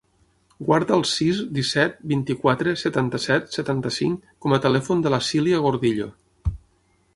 Guarda el sis, disset, vint-i-quatre, setanta-set, setanta-cinc com a telèfon de la Silya Gordillo.